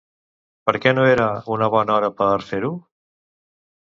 Per què no era una bona hora per fer-ho?